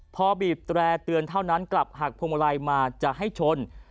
พอบีบแตร่เตือนเท่านั้นกลับหักพวงมาลัยมาจะให้ชน